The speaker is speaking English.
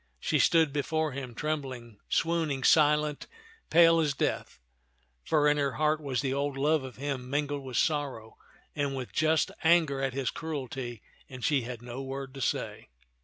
She stood before him, trembling, swooning, silent, pale as death ; for in her heart was the old love of him min gled with sorrow and with just anger at his cruelty, and she had no word to say.